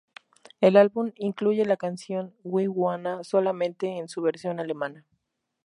El álbum incluye la canción "We Wanna" solamente en su versión alemana.